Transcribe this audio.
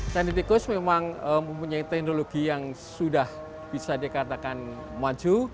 candi tikus memang mempunyai teknologi yang sudah bisa dikatakan maju